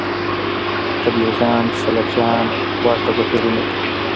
تبلیغیان سلفیان ورته بهیرونه دي